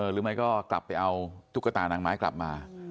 หรือไม่ก็กลับไปเอาตุ๊กตานางไม้กลับมา